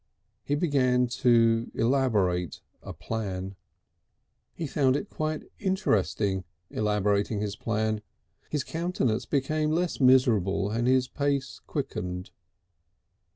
He began to elaborate a plan. He found it quite interesting elaborating his plan. His countenance became less miserable and his pace quickened.